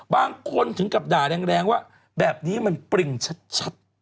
บางคนถึงกับด่าแรงว่าแบบนี้มันปริงชัด